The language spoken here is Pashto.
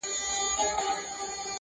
ستا پر ځنگانه اكثر